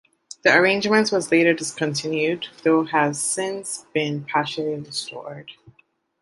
The arrangement was later discontinued, though has since been partially restored.